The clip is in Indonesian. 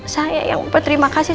saya yang berterima kasih